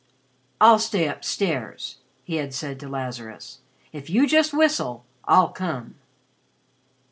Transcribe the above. "I'll stay upstairs," he had said to Lazarus. "If you just whistle, I'll come."